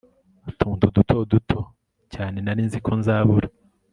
utuntu duto duto cyane nari nzi ko nzabura